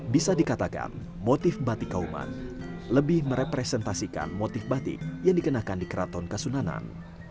bisa dikatakan motif batik kauman lebih merepresentasikan motif batik yang dikenakan di keraton kasunanan